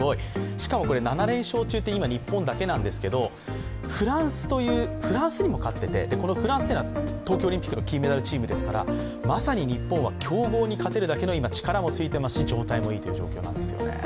しかもこれ、７連勝中って今、日本だけなんですけど、フランスにも勝ってて、フランスというのは、東京オリンピックの金メダルチームですからまさに日本は強豪に勝てるだけの今、力もついていますし状態もいいという状況なんですよね。